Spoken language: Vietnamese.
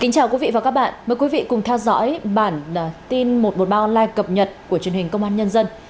chào mừng quý vị đến với bản tin một trăm một mươi ba online cập nhật của truyền hình công an nhân dân